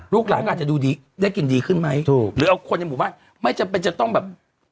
ลูกหลานก็อาจจะดูดีได้กินดีขึ้นไหมถูกหรือเอาคนในหมู่บ้านไม่จำเป็นจะต้องแบบ